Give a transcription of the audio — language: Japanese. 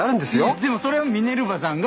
いっでもそれはミネルヴァさんが。